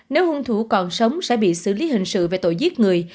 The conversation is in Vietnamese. nếu hung thủ còn sống sẽ bị xử lý hình sự về tội giết người